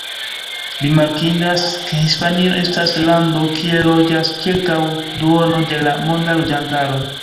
Rimarkindas, ke Hispanio estas lando kie loĝas ĉirkaŭ duono de la monda loĝantaro.